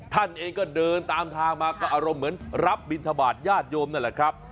ท่านเองก็เดินตามทางมาก็อารมณ์เหมือนรับบินทบาทญาติโยมนั่นแหละครับ